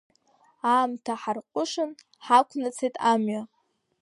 Аамҭа, ҳарҟәышын, ҳақәнаҵеит амҩа…